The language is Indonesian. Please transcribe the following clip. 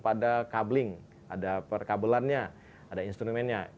ada kabling ada perkabelannya ada instrumennya